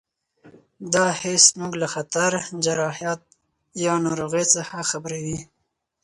دا حس موږ له خطر، جراحت یا ناروغۍ څخه خبروي.